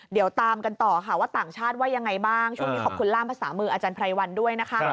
เดี๋ยวตามกันต่อค่ะว่าต่างชาติว่ายังไงบ้างช่วงนี้ขอบคุณล่ามภาษามืออาจารย์ไพรวันด้วยนะคะ